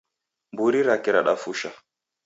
Mburi rake radafusha.